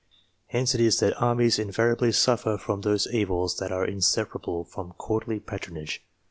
Hence it is, that armies invariably suffer from those evils that are inseparable from courtly patronage.